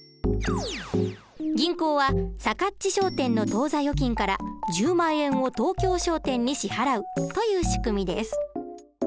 銀行はさかっち商店の当座預金から１０万円を東京商店に支払うという仕組みです。